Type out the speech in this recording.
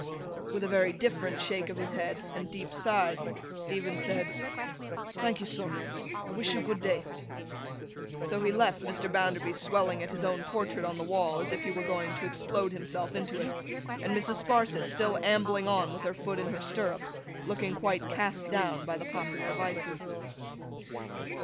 With a very different shake of the head and deep sigh, Stephen said, 'Thank you, sir, I wish you good day.' So he left Mr. Bounderby swelling at his own portrait on the wall, as if he were going to explode himself into it; and Mrs. Sparsit still ambling on with her foot in her stirrup, looking quite cast down by the popular vices.